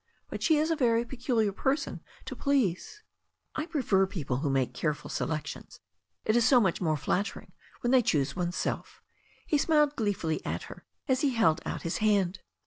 "But she is a very peculiar person to please." "I prefer people who make careftd selections. It is so much more flattering when they choose oneself." Ha ^toj^sA. 296 THE STORY OF A NEW ZEALAND RIVER gleefully at her as he held out his hand.